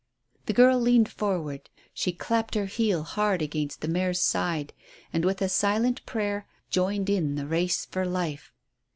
The girl leaned forward. She clapped her heel hard against the mare's side, and with a silent prayer joined in the race for life.